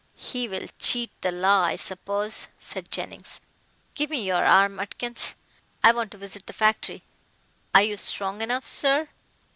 "He will cheat the law, I suppose," said Jennings, "give me your arm, Atkins. I want to visit the factory." "Are you strong enough, sir?"